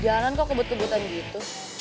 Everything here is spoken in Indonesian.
di jalanan kok kebut kebutan gitu